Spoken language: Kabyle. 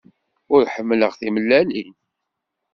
Ur ḥemmleɣ timellalin.